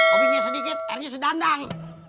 kopinya sedikit airnya sedandang